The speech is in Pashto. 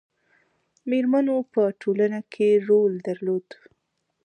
میرمنو په ټولنه کې رول درلود